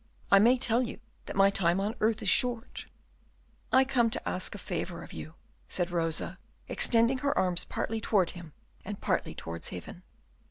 I may tell you that my time on earth is short." "I come to ask a favour of you," said Rosa, extending her arms partly towards him and partly towards heaven.